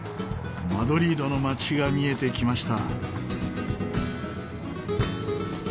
マドリードの街が見えてきました。